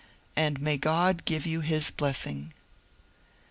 And may God give you his blessing